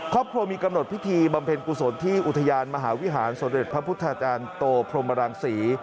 ครอบครัวมีกำหนดพิธีบำเพ็ญกุศลที่อุทยานมหาวิหารสมเด็จพระพุทธาจารย์โตพรมรังศรี